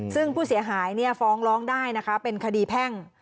ซึ่งผู้เสียหายฟ้องร้องได้นะคะเป็นคดีแพ่ง